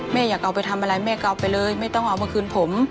อยากเอาไปทำอะไรแม่ก็เอาไปเลยไม่ต้องเอามาคืนผม